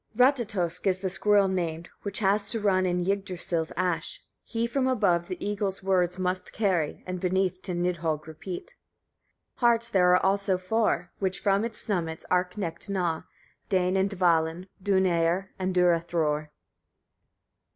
32. Ratatösk is the squirrel named, which, has to run in Yggdrasil's ash; he from above the eagle's words must carry, and beneath to Nidhögg repeat. 33. Harts there are also four, which from its summits, arch necked, gnaw. Dâin and Dvalin, Duneyr and Durathrôr.